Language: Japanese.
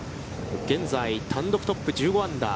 現在、単独トップ、１５アンダー。